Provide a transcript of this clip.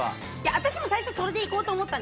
私は最初それでいこうと思ったの。